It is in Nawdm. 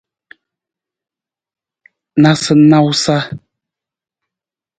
Nawusanawusa.